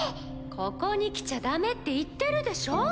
ここに来ちゃダメって言ってるでしょ。